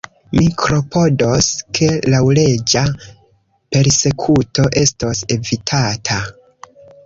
Mi klopodos, ke laŭleĝa persekuto estos evitata.